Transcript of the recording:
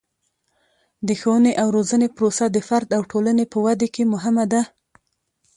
د ښوونې او روزنې پروسه د فرد او ټولنې په ودې کې مهمه ده.